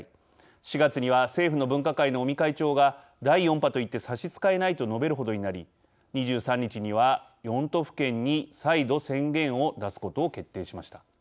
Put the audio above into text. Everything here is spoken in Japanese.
４月には政府の分科会の尾身会長が第４波と言って差し支えないと述べるほどになり２３日には、４都府県に再度、宣言を出すことを決定しました。